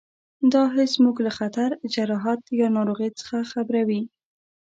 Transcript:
دا حس موږ له خطر، جراحت یا ناروغۍ څخه خبروي.